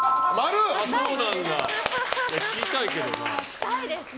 したいです。